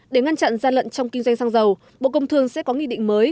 để ngăn chặn gian lận trong kinh doanh xăng dầu bộ công thương sẽ có nghị định mới